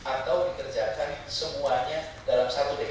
atau dikerjakan semuanya dalam satu dpd